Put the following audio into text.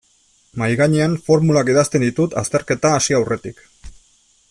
Mahaigainean formulak idazten ditut azterketa hasi aurretik.